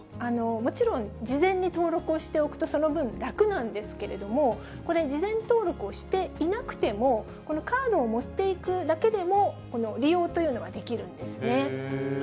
もちろん、事前に登録をしておくとその分、楽なんですけれども、これ、事前登録をしていなくても、このカードを持っていくだけでも利用というのはできるんですね。